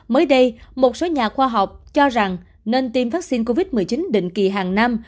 mới đây một số nhà khoa học cho rằng nên tiêm vaccine covid một mươi chín định kỳ hàng năm